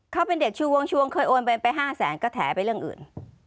เขาเป็นเด็กชูวงชวงเคยโอนไป๕แสนก็แถไปเรื่องอื่น